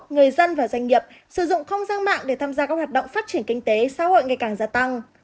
người dân và doanh nghiệp sử dụng không gian mạng để tham gia các hoạt động phát triển kinh tế xã hội ngày càng gia tăng